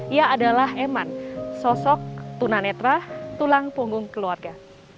ia adalah eman sosok tunanetra tulang punggung keluarga